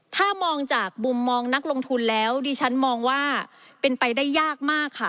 ถ้ามองจากมุมมองนักลงทุนแล้วดิฉันมองว่าเป็นไปได้ยากมากค่ะ